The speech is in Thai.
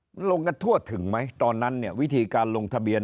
มันลงกันทั่วถึงไหมตอนนั้นเนี่ยวิธีการลงทะเบียน